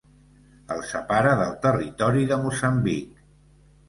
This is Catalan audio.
El separa del territori de Moçambic.